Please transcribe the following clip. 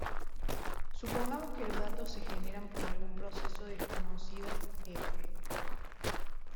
Supongamos que los datos se generan por algún proceso desconocido "f".